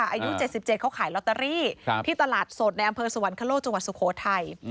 อายุ๗๗เขาขายลอตเตอรี่ที่ตลาดสดในอำเภอสวรรคโลกจังหวัดสุโขทัย